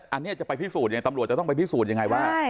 อันนี้จะไปพิสูจน์ยังไงตำรวจจะต้องไปพิสูจน์ยังไงว่า